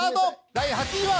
第８位は。